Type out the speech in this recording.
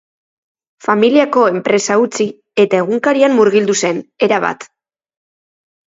Familiako enpresa utzi eta egunkarian murgildu zen, erabat.